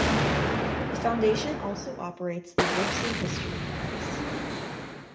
The Foundation also operates the Wolfson History Prize.